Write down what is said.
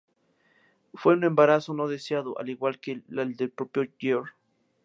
Fue un embarazo no deseado, al igual que el del propio Georg.